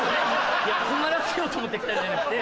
困らせようと思って来たんじゃなくて。